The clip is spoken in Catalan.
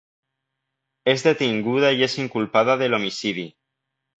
És detinguda i és inculpada de l'homicidi.